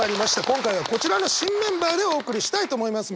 今回はこちらの新メンバーでお送りしたいと思います。